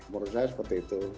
menurut saya seperti itu